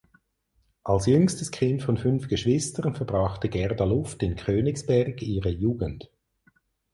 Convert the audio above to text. Als jüngstes Kind von fünf Geschwistern verbrachte Gerda Luft in Königsberg ihre Jugend.